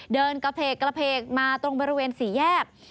เดินกระเพกกระเพกมาตรงบริเวณสี่แยก